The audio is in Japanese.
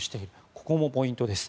ここもポイントです。